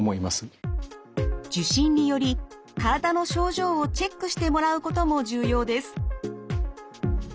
受診により体の症状をチェックしてもらうことも重要です。